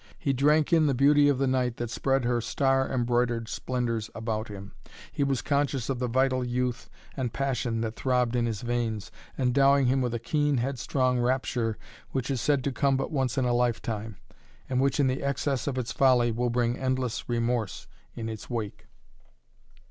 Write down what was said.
He drank in the beauty of the night that spread her star embroidered splendors about him, he was conscious of the vital youth and passion that throbbed in his veins, endowing him with a keen headstrong rapture which is said to come but once in a lifetime, and which in the excess of its folly will bring endless remorse in its wake.